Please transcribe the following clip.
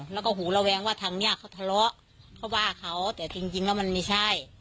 แล้วก็หูระแวงว่าทางเนี้ยเขาทะเลาะเขาว่าเขาแต่จริงแล้วมันไม่ใช่